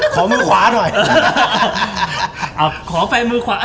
กล็อฝไทยขอมือขวาหน่อย